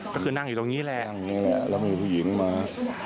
ก็คือนั่งอยู่ตรงนี้แหละนี่แหละแล้วมีผู้หญิงมา